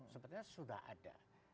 sepertinya sudah ada